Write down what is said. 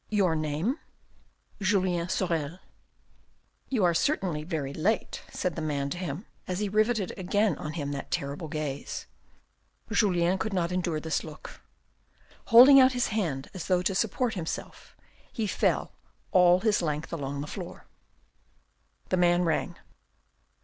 " Your name ?"" Julien Sorel." " Vou are certainly very late," said the man to him, as he rivetted again on him that terrible gaze. Julien could not endure this look. Holding out his hand as though to support himself, he fell all his length along the floor. The man rang.